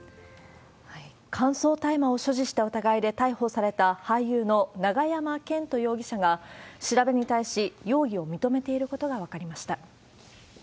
乾燥大麻を所持した疑いで逮捕された俳優の永山絢斗容疑者が、調べに対し容疑を認めていることが分かりました。